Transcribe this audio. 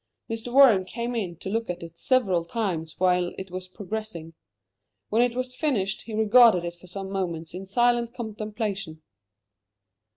Mr. Warren came in to look at it several times while it was progressing. When it was finished, he regarded it for some moments in silent contemplation.